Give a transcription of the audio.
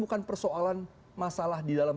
bukan persoalan masalah di dalam